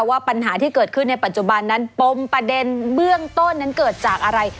ว่าปัญหาที่เกิดขึ้นในปัจจุบันนั้นปมประเด็นเบื้องต้นนั้นเกิดจากอะไร